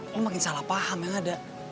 kamu makin salah paham yang ada